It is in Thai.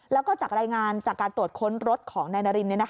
แล้วก็จากรายงานจากการตรวจค้นรถของนายนาริน